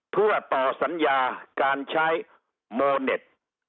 เพื่อต่อสัญญาการใช้โมเน็ต